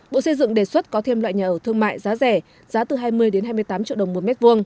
bộ xây dựng đề xuất có thêm loại nhà ở thương mại giá rẻ giá từ hai mươi hai mươi tám triệu đồng một mét vuông